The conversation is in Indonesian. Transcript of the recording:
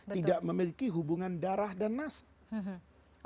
tidak memiliki hubungan darah dan nasib